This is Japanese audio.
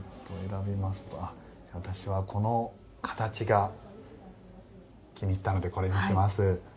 私は、この形が気に入ったのでこれにします。